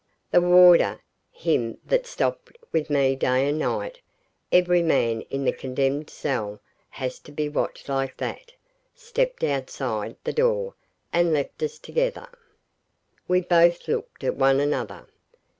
The warder him that stopped with me day and night every man in the condemned cell has to be watched like that stepped outside the door and left us together. We both looked at one another.